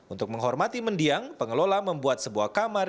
untuk menghormati mendiang pengelola membuat sebuah kamar